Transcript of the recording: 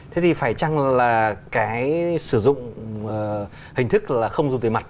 thế thì phải chăng là cái sử dụng hình thức là không dùng tiền mặt